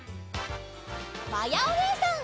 まやおねえさん！